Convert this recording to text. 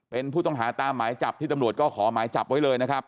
เป็นผู้ต้องหาตามหมายจับที่ตำรวจก็ขอหมายจับไว้เลยนะครับ